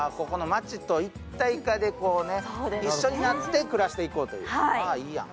街と一体化でね一緒になって暮らしていこうという、いいやん。